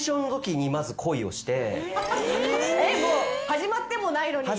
始まってもないのに？